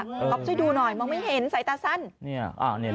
ก๊อฟช่วยดูหน่อยมองไม่เห็นสายตาสั้น